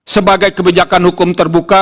sebagai kebijakan hukum terbuka